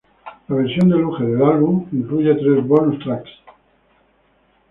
La versión deluxe del álbum incluye tres bonus tracks.